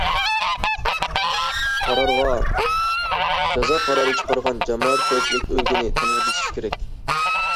قارارغا جازا قارارى چىقارغان جامائەت خەۋپسىزلىكى ئورگىنى تامغا بېسىشى كېرەك.